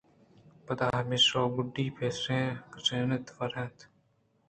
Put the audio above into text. پدا میش ءُ گُڈّی ءَ پس اِش کُشت ءُ وارتنت